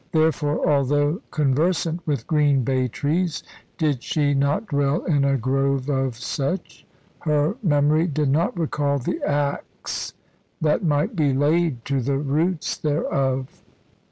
Therefore, although conversant with green bay trees did she not dwell in a grove of such? her memory did not recall the axe that might be laid to the roots thereof.